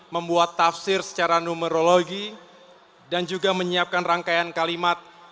membuat tafsir secara numerologi dan juga menyiapkan rangkaian kalimat